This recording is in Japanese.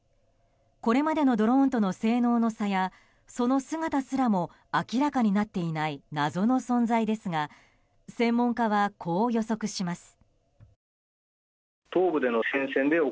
これまでのドローンとの性能の差や、その姿すらも明らかになっていない謎の存在ですが専門家は、こう予測します。